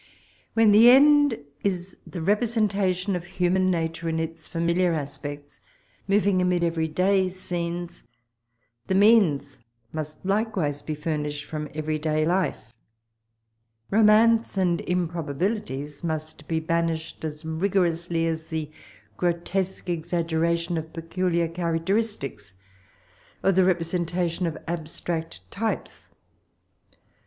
When the end is the representation of human nature in its familiar aspects, moving amid every day scenes, the means most likewise be famished from evexy day life: romance and impro babilities must be banished as rigor ously as the ffrotesque exaggeration of peculiar diaracteristics, or the representation of abstract types.